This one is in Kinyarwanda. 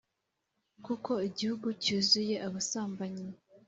Kuko igihugu cyuzuye abasambanyi